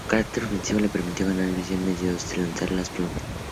Su carácter ofensivo le permitió ganar la División Medio Oeste y alcanzar los playoffs.